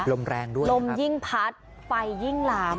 ลมแรงด้วยลมยิ่งพัดไฟยิ่งลาม